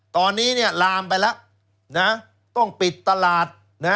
ตอนนี้ลามไปแล้วต้องปิดตลาด